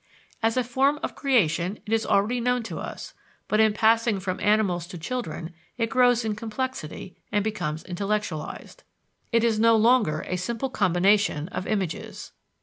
As a form of creation it is already known to us, but in passing from animals to children, it grows in complexity and becomes intellectualized. It is no longer a simple combination of images.